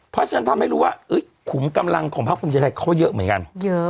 เพราะฉะนั้นทำให้รู้ว่าขุมกำลังของภาคภูมิใจไทยเขาเยอะเหมือนกันเยอะ